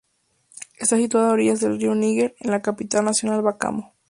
Está situada a orillas del río Níger, a de la capital nacional, Bamako.